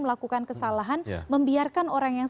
melakukan kesalahan membiarkan orang yang